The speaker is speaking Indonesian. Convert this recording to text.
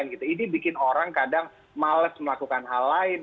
ini membuat orang kadang malas melakukan hal lain